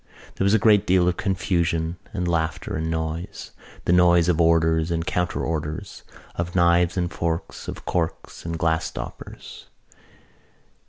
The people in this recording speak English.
There was a great deal of confusion and laughter and noise, the noise of orders and counter orders, of knives and forks, of corks and glass stoppers.